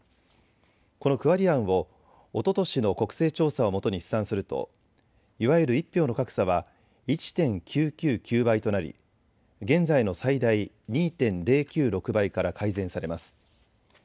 この区割り案をおととしの国勢調査をもとに試算するといわゆる１票の格差は１．９９９倍となり現在の最大２．０９６倍から改善されます。